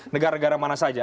negara negara mana saja